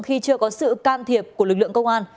khi chưa có sự can thiệp của lực lượng công an